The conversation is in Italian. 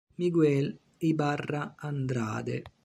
Miguel Ibarra Andrade